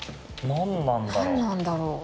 何なんだろう。